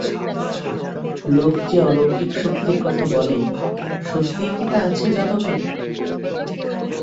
লোক যে অলৌকিক শক্তির কথা বলে সত্যই কি তা আছে যাদবের?